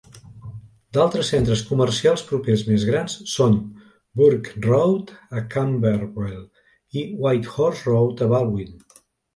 D'altres centres comercials propers més grans són Burke Road, a Camberwell, i Whitehorse Road, a Balwyn.